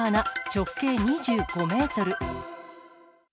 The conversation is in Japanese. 直径２５メートル。